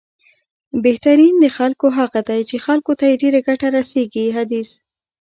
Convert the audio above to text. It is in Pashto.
بهترین د خلکو هغه دی، چې خلکو ته یې ډېره ګټه رسېږي، حدیث